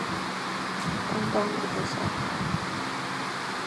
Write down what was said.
帮帮我的小孩